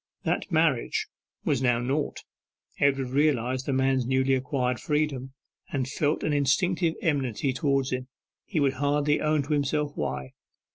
That marriage was now nought. Edward realized the man's newly acquired freedom, and felt an instinctive enmity towards him he would hardly own to himself why.